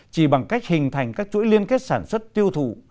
chỉ bằng cách hình thành các chuỗi liên kết sản xuất tiêu thụ